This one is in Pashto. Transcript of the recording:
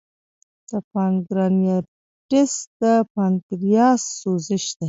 د پانکریاتایټس د پانکریاس سوزش دی.